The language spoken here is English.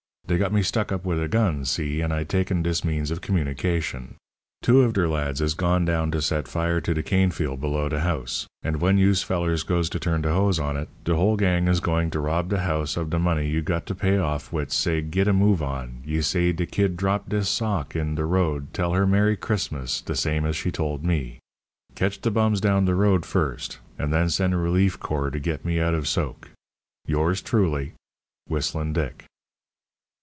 Dey got me stuck up wid a gun see and I taken dis means of communication. 2 of der lads is gone down to set fire to de cain field below de hous and when yous fellers goes to turn de hoes on it de hole gang is goin to rob de hous of de money yoo gotto pay off wit say git a move on ye say de kid dropt dis sock in der rode tel her mery crismus de same as she told me. Ketch de bums down de rode first and den sen a relefe core to get me out of soke youres truly, WHISTLEN DICK.